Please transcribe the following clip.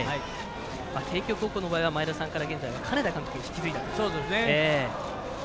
帝京高校の場合は前田さんから金田監督に引き継いだと。